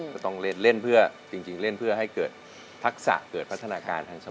ก็ต้องเล่นเพื่อให้เกิดทักษะเกิดพัฒนาการทั้งสมมติ